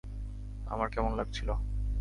আমার কেমন লাগছিল?